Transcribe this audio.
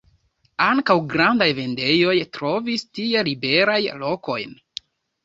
Ankaŭ grandaj vendejoj trovis tie liberajn lokojn.